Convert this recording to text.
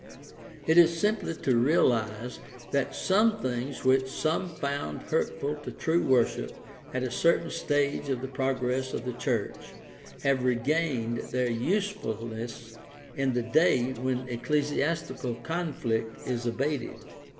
It is simply to realize that some things which some found hurtful to true worship at a certain stage of the progress of the church have regained their use fulness in this day when ecclesiastical conflict is abated.